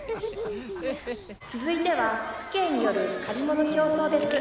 「続いては父兄による借り物競争です。